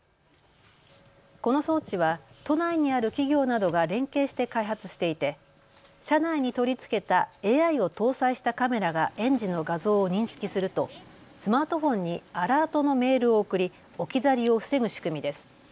この装置は都内にある企業などが連携して開発していて車内に取り付けたＡＩを搭載したカメラが園児の画像を認識するとスマートフォンにアラートのメールを送り置き去りを防ぐ仕組みです。